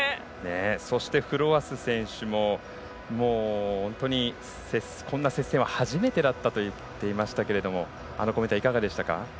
そして、フロアス選手ももう本当に、こんな接戦は初めてだったと言っていましたがあのコメントはいかがでしたか？